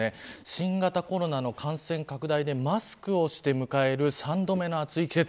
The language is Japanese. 新型コロナの感染拡大でマスクをして迎える３度目の暑い季節。